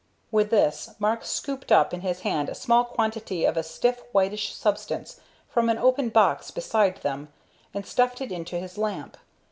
With this Mark scooped up in his hand a small quantity of a stiff, whitish substance from an open box beside them, and stuffed it into his lamp.